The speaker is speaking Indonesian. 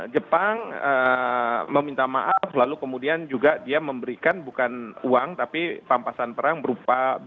jepang meminta maaf lalu kemudian juga dia memberikan bukan uang tapi pampasan perang berupa